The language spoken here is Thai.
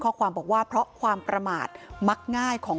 พอเห็นข้อความนี้คนสงสัยเยอะมากว่าเกิดอะไรขึ้นกับคุณพ่อ